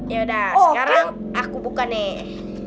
yaudah sekarang aku buka nih